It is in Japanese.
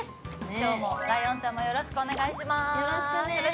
今日も、ライオンちゃんもよろしくお願いします！